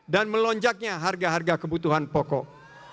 dan melonjaknya harga harga kebutuhan pokok